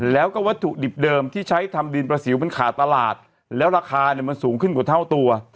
แล้วก็วัตถุดิบเดิมที่ใช้ทำดินประสิวมันขาดตลาดแล้วราคาเนี่ยมันสูงขึ้นกว่าเท่าตัว